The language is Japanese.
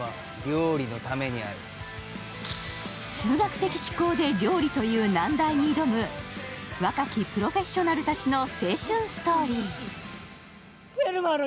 数学的思考で料理という難題に挑む若きプロフェッショナルたちの青春ストーリー。